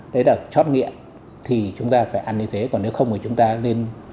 đấy là chót nghiệm thì chúng ta phải ăn như thế còn nếu không thì chúng ta nên